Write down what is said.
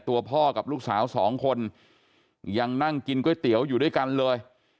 ตัวพ่อกับลูกสาวสองคนยังนั่งกินก๋วยเตี๋ยวอยู่ด้วยกันเลย